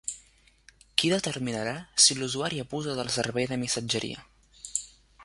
Qui determinarà si l'usuari abusa del servei de missatgeria?